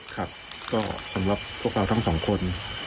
ครับก็สำหรับพวกเราทั้งสองคน